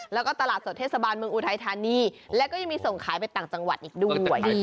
แล้วก็ตลาดสดเทศบาลเมืองอุทัยธานีแล้วก็ยังมีส่งขายไปต่างจังหวัดอีกด้วย